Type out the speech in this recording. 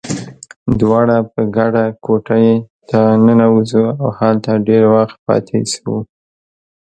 دواړه په ګډه کوټې ته ننوزو، او هلته ډېر وخت پاتې شو.